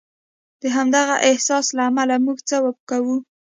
د همدغه احساس له امله موږ هڅه کوو.